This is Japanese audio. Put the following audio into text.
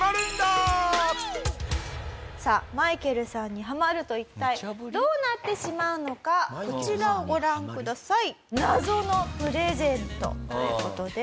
さあマイケルさんにハマると一体どうなってしまうのかこちらをご覧ください。という事で。